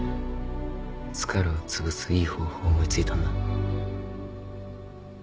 スカルをつぶすいい方法を思いついたんだ